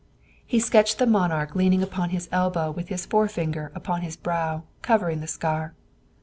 He sketched the monarch leaning upon his elbow with his forefinger upon his brow covering the scar.